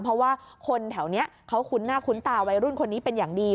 เพราะว่าคนแถวนี้เขาคุ้นหน้าคุ้นตาวัยรุ่นคนนี้เป็นอย่างดี